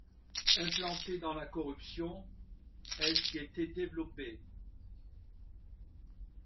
Implantée dans la corruption, elle s’y était développée.